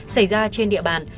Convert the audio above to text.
xảy ra trên địa bàn